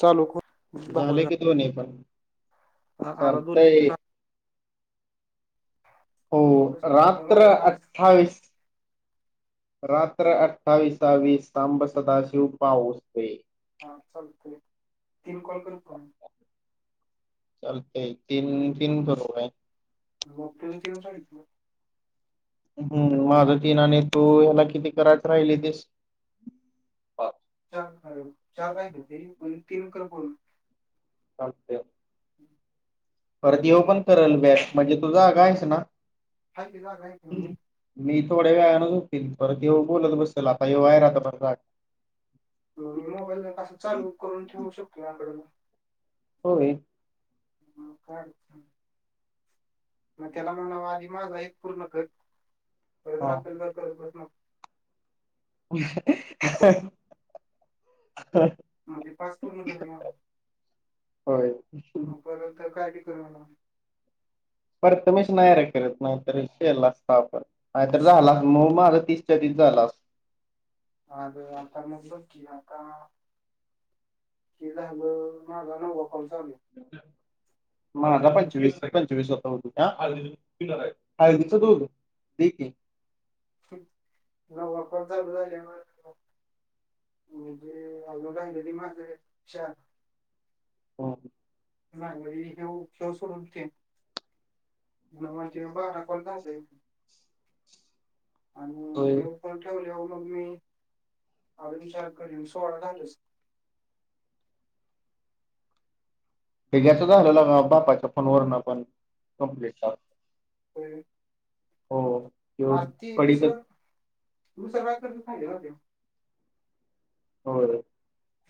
चालूक झाले की दोन्ही पण चाल आला दोन ते हो रात्र अठ्ठावीस रात्र अठ्ठावीसावीस तांब सदाशिव पाऊसते हा चाल तीन कॉल कर तुम्ही लतय तीन तीन करू आहे मग तझ तीनच हम् माझं तीन आणि तू ह्याला किती करायच राहिली तस चार चार काय होते प तीन कर बोलून परदी हाय पण करेल बॅक म्हणजे तुझा अगा आहेस ना हिय हम्म. मी थोड्या वेळानं झोपेन परत येऊ बोलत बसल आता येऊ आहे रा आता परत मोबाईल पासून चालू करून ठेवू शकतो आक होय ह करच मग त्याला ना आधी माझ आहेत पूर्ण कर हा परजरात जर करतस न [inaudible] म्हणजे पाचपूर नगर ह परत काय ठ करणार पर तुम्च नाही र करत नाही तरी श लागता आपर नाहीतर झाला मग माझा तीसच्या तीस झाला अ आता मुगब ककी आता कि झालं माहाझा न कचम माझ पंचवीस पंचवीस वय दील न वापण चालू झाले म म्हणजे अून राहिलेली माझे शान ह नाहीगली हे फिसवर सूनतीन म म बाा करता आणि होय. हे फल ठेवले मग मी आ विचार करीन सोळा झालच बेगाच झालेलं बापाच्या फोन वरून पण कमप्लीट हो हो त्यो ह ती पडीतच दुसरं दुसरं रागत फेते हो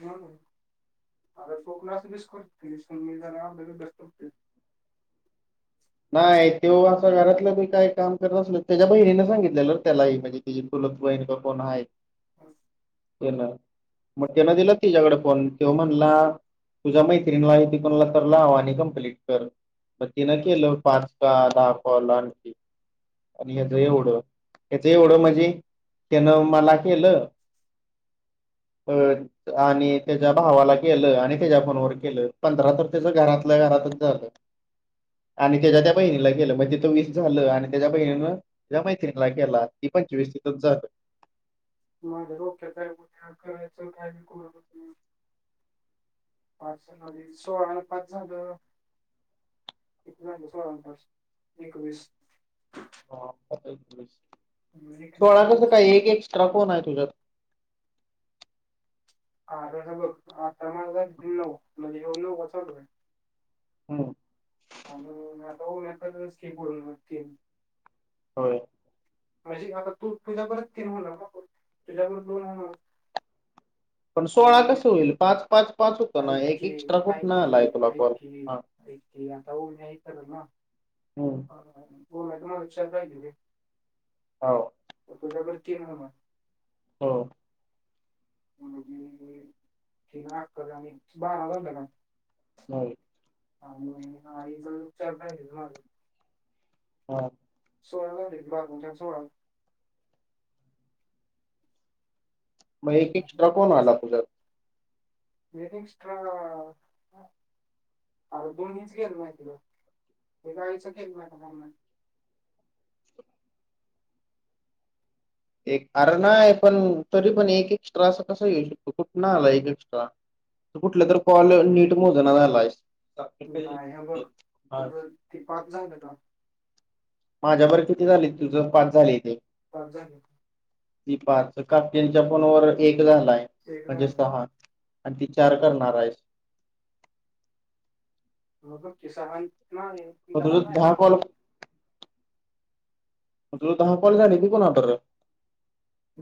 हो अ शोकला मिस् करकून मस्तते नाही ते असं घरातलंी काय काम करत असल त्याच्या बहिणीने सांगितलेलं त्यालाही म्हणजे तची फुलतहिण का कोण आहे हो तेन मग तेन दिला तिच्या्याकडे फोन तेव म्हणला तुझ्या मैत्रिणीला आहे तिकणला तर लाव आणि कंप्लीट कर मग तिनं केलं पाचका दहा कॉल आणखी आणि याच एवढं याच एवढं माझी त्यान मला केलं [inaudible] अ आणि त्याच्या भावाला केलं आणि त्याच्या फोनवर केलं पंधरा तर त्याचं घरातल्या घरातच झालं. आणि त्याच्या त्या बहिणीला ग केलं. म्हणज तिथं वीस झालं आणि त्याच्या बहिणीनं त्या मात्रीनी ला गेला ती पंचवीस तिथचं झालं. माझ्या डोक्यात आहे उद्या करायचं काइबी करून देऊन पाच जण सोळा आणि पाच झालं किती झालं सोळा आणि पाच? एकवीस. एकवीस सोळा कसं कॉलेज काय? एक एक्सट्रा कोण आहे तुझ्यात? आरं हा बघ आता म नऊ म्हणजे ये नऊ वा चालू आहे. हम्म. आणि आता होऊन स्की पून त होय. म्हणजे आता तू तुझ्या परत तीन मला पकड. तुझ्या लोन पण सोळा आणि कसं होईल पाच पाच पाच होतं ना एक ऐऐचे एक्स्ट्रा ऐ आई कुठनं आलाय कि, तुला आई कॉल कि, हा आई कि अता ऊ मयतरल ना. हम. ह त म तु म्हा विचर जायली. हो तुझ्यावरती हा मं हो. [inaudible] नाही. आ ह चार हा. सोळा झालीत बारा आणि चार सोळा. मग एक एक्सट्रा कोण आला तुझ्यात? एक एक्स्ट्रा अ अरे दोन्हीच ग केल माहितीला, हे गाळीचं केलं माहि कारना. ए अर णाय. तरी पण एक एक्स्ट्रा असा कसा येऊ शकतो, कुठ ना आला एक एक्स्ट्रा? कुठलं तर कॉल नीट मोज ना झालायसं? नाही ह बघ तुझं ती पाच झा का? माझ्याभर किती झाले तुझं पाच झाले तेे पाचं झालतं. ती पाच कापटनच्या फोनवर एक झालाय. एक म्हणजे झालं सहा. आणि ती चार करणार आहेस. हो किसाहां नाही. म तुझं नाही दहा का? कॉल मं तुझं दहा कॉल झालं ते कुणाबरबर?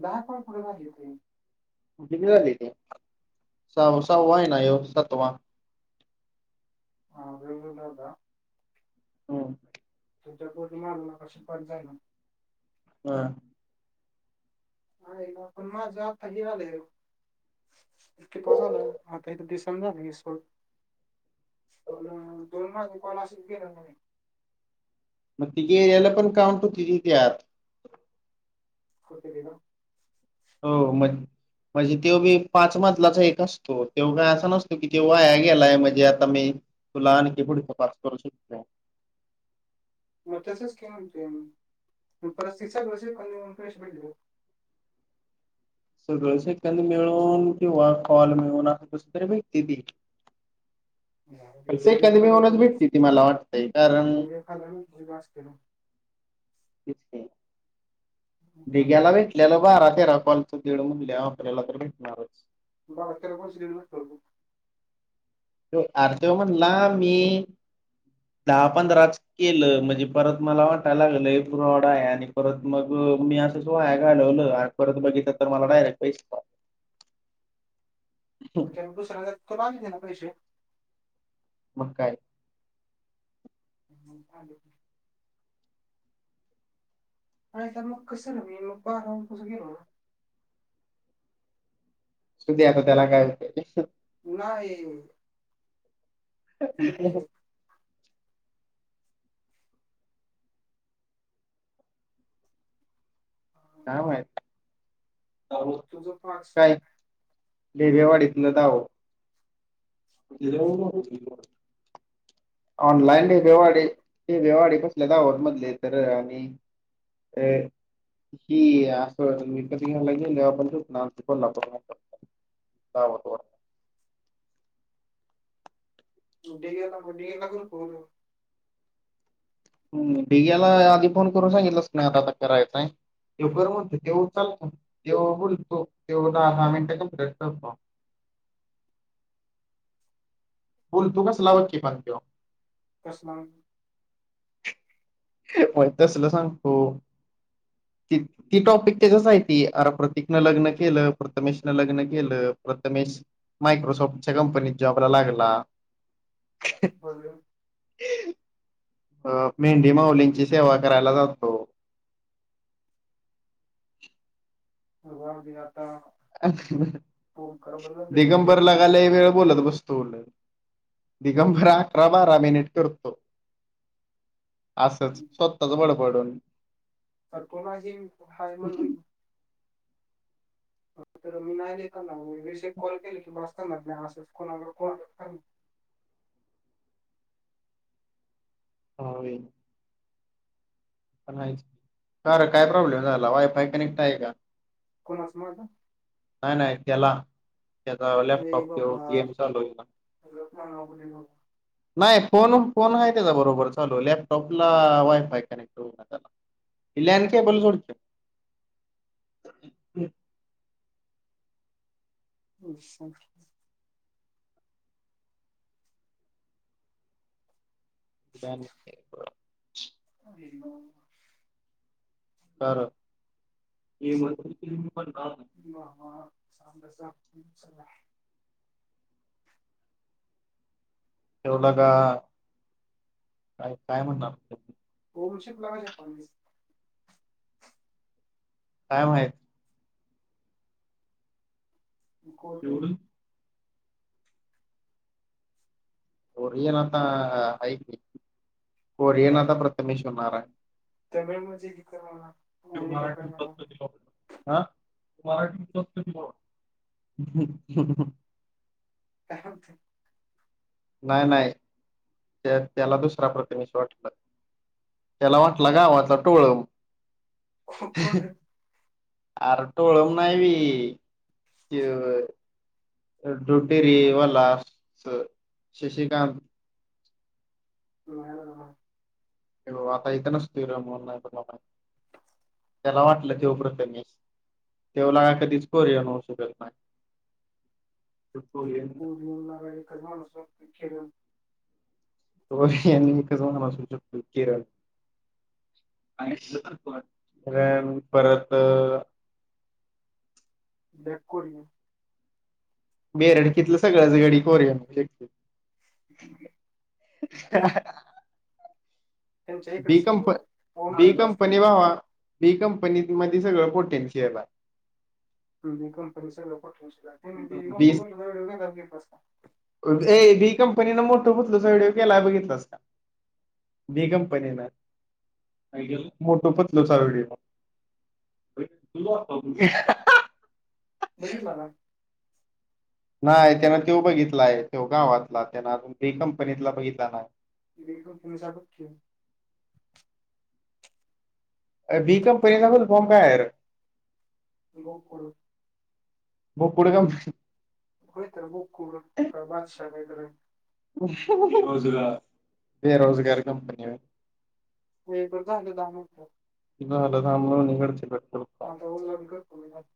दहा कोण पुर नाही येते. किती झाली ते? सहा सहा्वा आहे ना ये सातवा. हा वेग वेगळा होता. हो. तुमच्या पूर्णमालला कशी [unintelligible] हा. हा [unintelligible] पण माझं आता ही आलय [unintelligible] आता इथ दिसन झालंय [unintelligible] पूर्ण, दोन माझे कॉल अशीच गेल्यात नव्हे. मग ति गेलेलं पण काम [unintelligible] कुठे गेल? हो म म्हणजे त्यो बी एक पाच मजलाचा एक असतो. त्यो काय असा नसतो की ते वाया गेलाय म्हणजे आता मी तुला आणखी पुढच पाच करू शकतोय. मग तसच की [unintelligible] मग परत ती सेकंद येऊन [unintelligible] सगळं सेकंद मिळून किंवा कॉल मिळून, असं कस तरी भेटतिति. हा दीड एक हजार मिळूनच पर्यंत, भेटते ती मला वाटतंय कारण [unintelligible] तेच की. ना बिग्याला आपल्याला भेटलेलं बारा तेरा कॉलच दीड म्हणल्याव, आपल्याला तर भेटणारच. [unintelligible] आर त्यो म्हणला मी, दहा पंधराच केलं. म्हणजे परत मला वाटय लागलं फ्रॉड आहे आणि परत मग मी असंच वाया घालवलं परत बघितल तर मला डायरेक्ट पै [unintelligible] पैसे मग काय. ह् [unintelligible] अ मग कसं ना मी मग पार राहून कसं गेलो ना. असुदे आता त्याला काय होतत नाही ये, बकी. काय माहीत. तुझं पाच. काय ढेरेवाडीतन जावू. ऑनलाईन डेगेला ढेरेबवाडी. ढेरेवाडी बसल्या दाहोर मधले तर आणि अ. ही आपण विकत घ्यायला गेल्यावर [inaudible] हो, हो. डे लाग डे लागून प [unintelligible] हम् दिग्याला आधी फोन करून सांगितलंच नाही आता, आता करायचंय तेव कर म्हणतो, ते चालतो जेव्हा बोलतो तेव्हा दहा-दहा मिनटं कमप्लीट करतो. बोलतो तो कसला बघ की पण त्यो. कसला. होय तसलं सांगतो कि ती टॉपिक त्याच्याच आहे ती, अर प्रतीक नं लग्न केलं, प्रथमेश नं लग्न केलं प्रथमेश मायक्रोसॉफ्टच्या कंपनीत जॉबला लागला. हल [unintelligible] अ मेंढी माउलींची सेवा करायला जातो. [unintelligible] आता फोन कर बरं लई मागे दिगंबर लका तुम्ही लई वेळ बोलत बसतो. दिगंबर अठरा बारा मिनिट करतो. असच स्वतःच बडबडून. तर कोणाशी हाय म्हण तर मी नाही लई करणार बाबा. वीस एक कॉल केले की बास करणार मी, असंच कोणावर [unintelligible] [unintelligible] [unintelligible] का रे काय प्रॉब्लेम झाला वायफाय कनेक्ट हाय का? कोणाच म आता? ननाय नाय तेला. त्याचा ए लॅपटॉप त्यो, बाबा गेम चालू आहे का? लग्न नाव बोलले नाही फोन फोन आहे त्याचा बरोबर चालू. लॅपटॉपला वायफाय कनेक्ट होता त्याला. पिल्या आणि केबल जोड की अच्छा [inaudible] [inaudible] [inaudible] [unintelligible] तेवढ का काय काय म्हणणार गलशिप लागवायच्या पस काय माही गड ये नाताऐक येणाता प्रतमेणारार तमिळ मधी मराठी [unintelligible] मराठीत बघतो की मग काम [unintelligible] नाही नाही त्या त्याला दुसरा प्रतमेश वाटलं त्याला वाटला गावातला टोळ को- कोण रे अर टोळम नाही वी त्यो दुध डेरीवाला शशिकांत ह त्यो आता इथं नसतूय [unintelligible] त्याला वाटलं त्यो प्रथमेश त्यो लका कधीच कोरिन होऊ शकत नाही त्यो कोरीयन [unintelligible] [unintelligible] परत ब्लॅक कोरियन बेरडकीतलं सगळंच गडी कोरियन [unintelligible] [inaudible] ह त्यांच्या बी इकडेच की कंप ओम बी करतेच की कंपनी भावा बी कंपनी मध्ये सगळं पोटेन्शियल आहे बी [unintelligible] ए बी कंपनीने मोठं [unintelligible] व्हिडिओ केलाय बघितलास का बी कंपनी ना मोटू पतलू चा व्हिडिओ [unintelligible] बघितला ना नाय त्यान त्यो बघितलाय त्यो गावातला त्यान अजून ब कंपनीतला बघितला नाय बी कंपनी सारखं फेमस बी कंपनीचा फुल फॉर्म काय आहे र [unintelligible] म पुढं काय होय तर बोकूड ह्यो तर बादशहा काय तर बेरोजगार कंपनीवर हे बरं झालं दहा मिनिट झालं दहा [unintelligible] [unintelligible] करतो मी नंतर